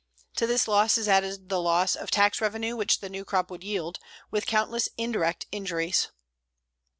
To this loss is added the loss of tax revenue which the new crop would yield, with countless indirect injuries.